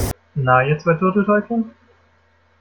Na, ihr zwei Turteltäubchen.